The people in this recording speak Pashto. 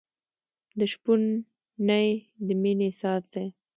د شپون نی د مینې ساز دی.